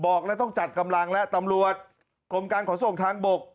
บอกแล้วต้องจัดกำลังแล้วตำรวจกรมการขนส่งทางบก